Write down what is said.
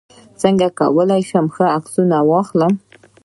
څنګه کولی شم ښه عکسونه واخلم